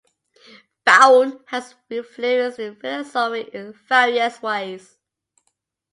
Bowne has influenced philosophy in various ways.